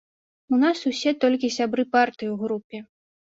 У нас усе толькі сябры партыі ў групе.